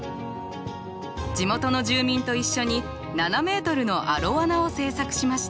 地元の住民と一緒に７ｍのアロワナを制作しました。